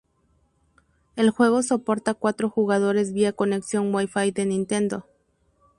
El juego soporta cuatro jugadores vía Conexión Wi-Fi de Nintendo.